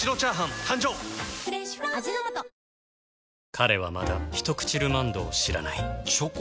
彼はまだ「ひとくちルマンド」を知らないチョコ？